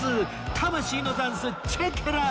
魂のダンスチェケラ！